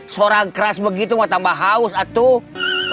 seorang keras begitu mau tambah haus aduh